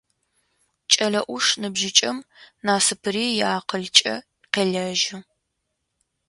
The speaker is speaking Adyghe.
Кӏэлэ ӏуш ныбжьыкӏэм насыпыри иакъылкӏэ къелэжьы.